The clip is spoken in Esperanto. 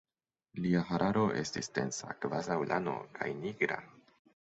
Lia hararo estis densa kvazaŭ lano, kaj nigra.